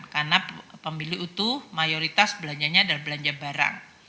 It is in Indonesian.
karena pemilu itu mayoritas belanjanya adalah belanja barang